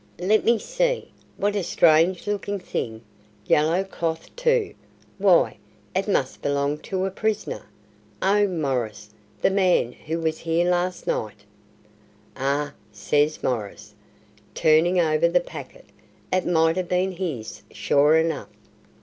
"Let me see. What a strange looking thing! Yellow cloth, too. Why, it must belong to a prisoner. Oh, Maurice, the man who was here last night!" "Ay," says Maurice, turning over the packet, "it might have been his, sure enough."